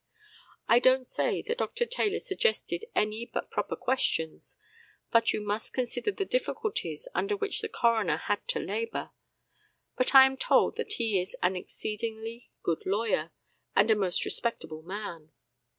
I don't say that Dr. Taylor suggested any but proper questions, but you must consider the difficulties under which the coroner had to labour, and I am told that he is an exceedingly good lawyer and a most respectable man.